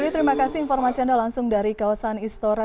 dewi terima kasih informasi anda langsung dari kawasan istora